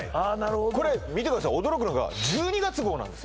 これ見てください驚くのが１２月号なんです